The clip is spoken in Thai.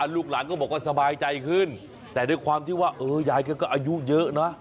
ลูกหลานก็บอกว่าสบายใจขึ้นแต่ด้วยความที่ว่ายายก็อายุเยอะนะ